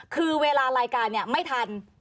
คือเวลารายการเนี่ยไม่ทัน